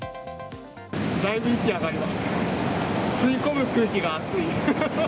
だいぶ息が上がりますね。